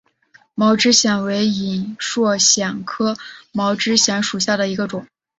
毛枝藓为隐蒴藓科毛枝藓属下的一个种。